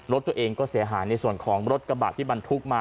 รถตัวเองก็เสียหายในส่วนของรถกระบะที่บรรทุกมา